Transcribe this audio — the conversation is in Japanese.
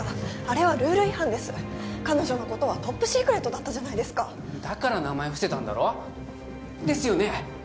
あれはルール違反です彼女のことはトップシークレットだったじゃないですかだから名前伏せたんだろですよね？